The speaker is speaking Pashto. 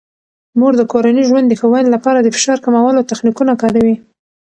مور د کورني ژوند د ښه والي لپاره د فشار کمولو تخنیکونه کاروي.